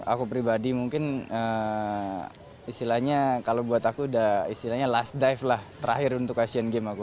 aku pribadi mungkin istilahnya kalau buat aku udah istilahnya last dive lah terakhir untuk asian games aku